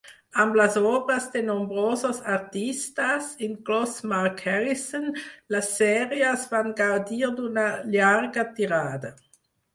Amb les obres de nombrosos artistes, inclòs Mark Harrison, les sèries van gaudir d'una llarga tirada.